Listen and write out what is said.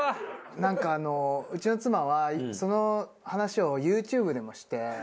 なんかうちの妻はその話をＹｏｕＴｕｂｅでもして。